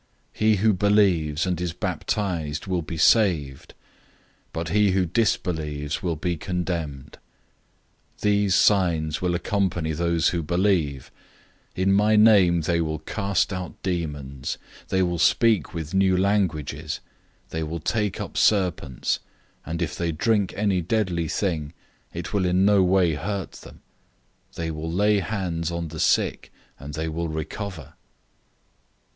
016:016 He who believes and is baptized will be saved; but he who disbelieves will be condemned. 016:017 These signs will accompany those who believe: in my name they will cast out demons; they will speak with new languages; 016:018 they will take up serpents; and if they drink any deadly thing, it will in no way hurt them; they will lay hands on the sick, and they will recover."